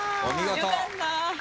よかった。